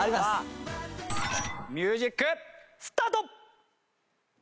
ミュージックスタート！